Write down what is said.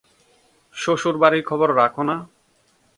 শ্বশুরবাড়ির খবর রাখ না?